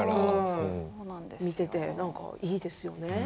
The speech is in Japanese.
見ていていいですよね。